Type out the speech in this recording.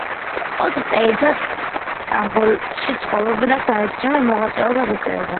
ოთხ წელიწადს სტამბოლში ცხოვრობდა და სამეცნიერო მოღვაწეობას ეწეოდა.